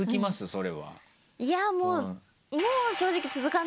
それは。